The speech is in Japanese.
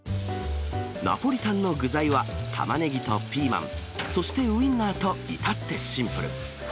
ナポリタンの具材は、タマネギとピーマン、そしてウインナーといたってシンプル。